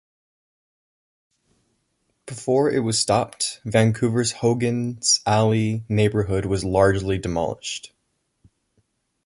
Before it was stopped, Vancouver's Hogan's Alley neighbourhood was largely demolished.